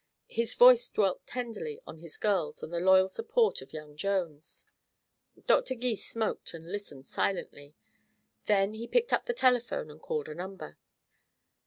His voice dwelt tenderly on his girls and the loyal support of young Jones. Dr. Gys smoked and listened silently. Then he picked up the telephone and called a number.